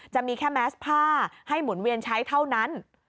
จะมีแค่แมสผ้าให้หมุนเวียนใช้เท่านั้น